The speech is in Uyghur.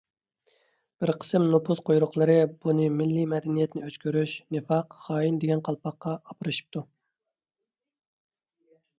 بىر قىسىم نوپۇز قۇيرۇقلىرى بۇنى مىللىي مەدەنىيەتنى ئۆچ كۆرۈش، نىفاق، خائىن دېگەن قالپاققا ئاپىرىشىپتۇ.